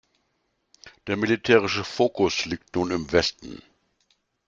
Der militärische Fokus liegt nun im Westen.